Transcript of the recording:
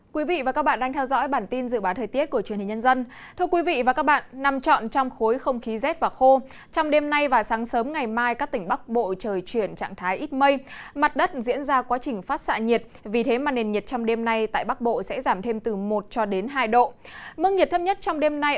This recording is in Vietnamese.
các bạn hãy đăng ký kênh để ủng hộ kênh của chúng mình nhé